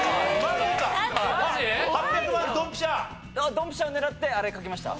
ドンピシャを狙ってあれ書きました。